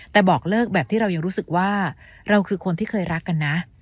แต่บอกเลิกแบบที่เรายังรู้สึกว่าเราคือคนที่เคยรักกันนะ